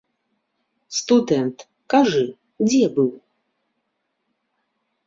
Студэнт, кажы, дзе быў?